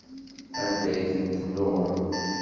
Anda ay ten-tennuɣem?